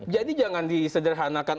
jadi jangan disederhanakan